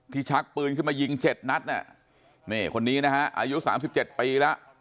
ชักปืนขึ้นมายิง๗นัดเนี่ยนี่คนนี้นะฮะอายุ๓๗ปีแล้ว